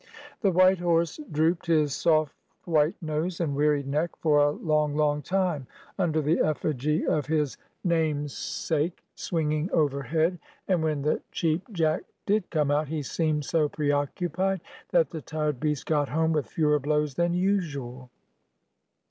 The white horse drooped his soft white nose and weary neck for a long, long time under the effigy of his namesake swinging overhead, and when the Cheap Jack did come out, he seemed so preoccupied that the tired beast got home with fewer blows than usual.